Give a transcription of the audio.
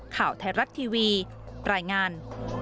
ข่าวไทยรัฐทีวีรายงาน